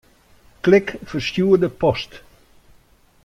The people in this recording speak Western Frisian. Klik Ferstjoerde post.